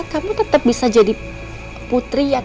kamu tetap bisa jadi putri yang